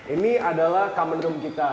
ini adalah common room kita